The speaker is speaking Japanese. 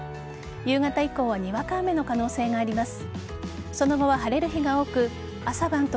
夕方以降はにわか雨の可能性があります。